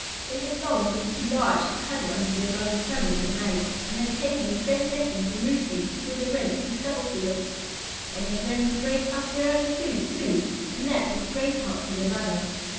They had long been too large to cuddle under their mother's feathers at night, and had taken their first lessons in roosting before they went to the stubble fields. They had learned to break up their own food, too, and that was a great help to their mother.